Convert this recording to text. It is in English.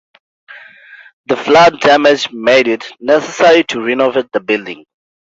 The flood damage made it necessary to renovate the building.